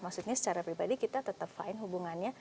maksudnya secara pribadi kita tetap fine hubungannya